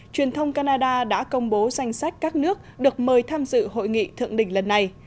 truyền thông canada đã công bố danh sách các nước được mời tham dự hội nghị thượng đỉnh lần này